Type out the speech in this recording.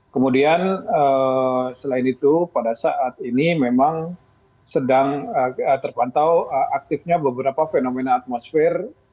kemudian selain itu pada saat ini memang sedang terpantau aktifnya beberapa fenomena atmosfer